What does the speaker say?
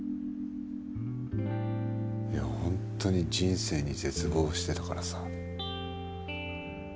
本当に人生に絶望してたからさ。